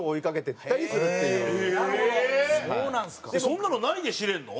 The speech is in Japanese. そんなの何で知れるの？